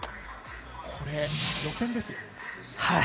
これ、予選ですよ